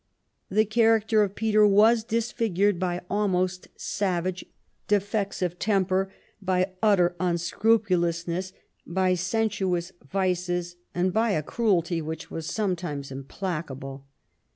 The character of Peter was disfigured by almost savage defects of temper, by utter unscrupulousness, by sensu ous vices, and by a cruelty which was sometimes im placable.